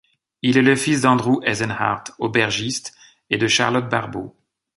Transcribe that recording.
Il est le fils d'Andrew Eisenhart, aubergiste, et de Charlotte Barbeau.